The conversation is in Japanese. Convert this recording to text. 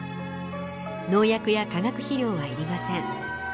農薬や化学肥料は要りません。